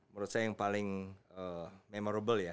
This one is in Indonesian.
menurut saya yang paling memorable ya